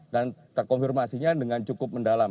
dan terkonfirmasinya dengan cukup berat